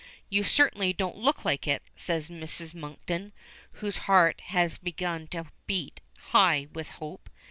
"You certainly don't look like it," says Mrs. Monkton, whose heart has begun to beat high with hope.